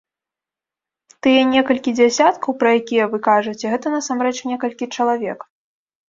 Тыя некалькі дзесяткаў, пра якія вы кажаце, гэта насамрэч некалькі чалавек.